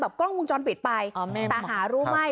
แบบกล้องมุมจรปิดไปแต่หารู้งานให้ครูไม่มาก